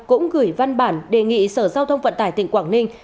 cũng gửi văn bản đề nghị sở giao thông vận tải tỉnh quảng ninh